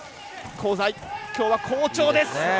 香西はきょう好調です。